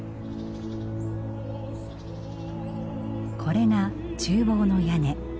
これが厨房の屋根。